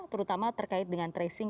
terutama terkait dengan tracing